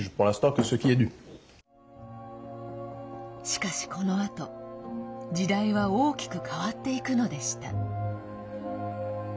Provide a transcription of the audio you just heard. しかし、このあと時代は大きく変わっていくのでした。